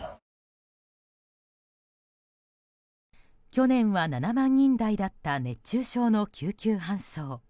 去年は７万人台だった熱中症の救急搬送。